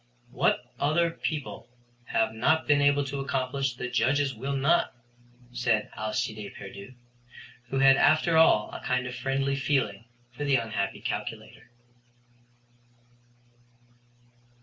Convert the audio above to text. "What other people have not been able to accomplish the Judges will not," said Alcide Pierdeux, who had after all a kind of a friendly feeling for the unhappy calculator.